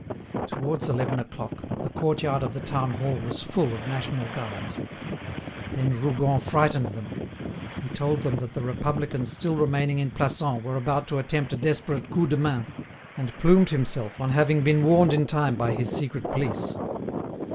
Towards eleven o'clock, the court yard of the town hall was full of national guards. Then Rougon frightened them; he told them that the Republicans still remaining in Plassans were about to attempt a desperate coup de main, and plumed himself on having been warned in time by his secret police.